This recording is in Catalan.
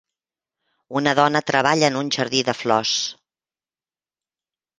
Una dona treballa en un jardí de flors